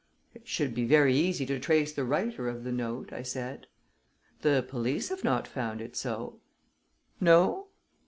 "It should be very easy to trace the writer of the note," I said. "The police have not found it so." "No?"